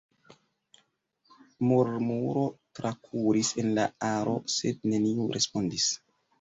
Murmuro trakuris en la aro, sed neniu respondis.